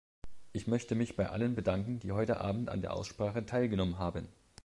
Ich möchte mich bei allen bedanken, die heute Abend an der Aussprache teilgenommen haben.